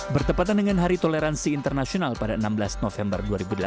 bertepatan dengan hari toleransi internasional pada enam belas november dua ribu delapan belas